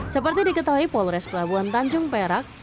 seperti diketahui polres pelabuhan tanjung perak